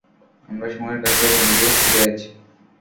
আমরা সময়ের কাছে বন্দী, জ্যাজ।